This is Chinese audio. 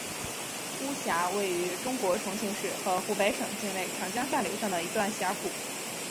巫峡位于中国重庆市和湖北省境内长江干流上的一段峡谷。